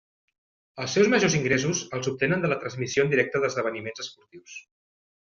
Els seus majors ingressos els obtenen de la transmissió en directe d'esdeveniments esportius.